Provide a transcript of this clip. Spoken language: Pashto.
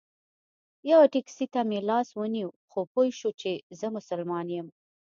یوه ټیکسي ته مې لاس ونیو خو پوی شو چې زه مسلمان یم.